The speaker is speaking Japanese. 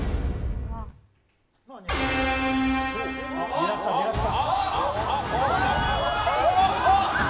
狙った狙った。